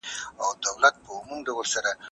آیا د ټولني رهبري د تجربو له مخې مهمه ده؟